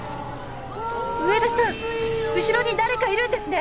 上田さん後ろに誰かいるんですね？